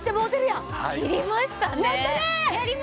やりましたね